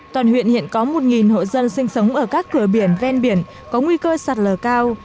toàn huyện hiện có một hộ dân sinh sống ở các cửa biển ven biển có nguy cơ sạt lở cao